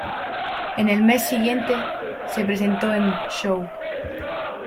En el mes siguiente, se presentó en "Show!